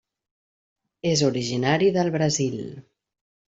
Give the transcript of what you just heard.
És originari del Brasil.